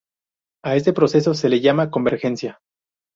A este proceso se le llama convergencia.